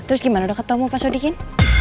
terus gimana udah ketemu pak sodikin